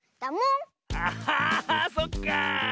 あっそっか！